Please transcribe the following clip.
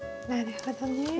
なるほどね。